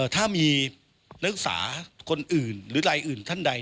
ถ้ามีนักศึกษาคนอื่นหรือรายอื่นท่านใด